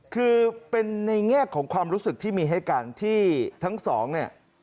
คือเป็นในแง่ของความรู้สึกที่มีให้กันที่ทั้งสองเนี่ย